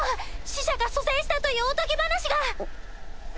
死者が蘇生したというおとぎ話が！